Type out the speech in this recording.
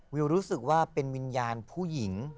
วิวรู้สึกว่าเป็นวิญญาณผู้หญิง